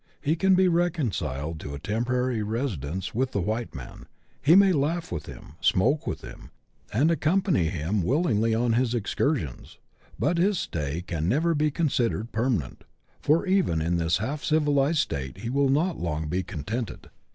He can be reconciled to a temporary residence with the white man, he may laugh with him, smoke with him, and accompany him willingly on his excursions ; but his stay can never be considered permanent, for even in this half civilized state he will not long be contented.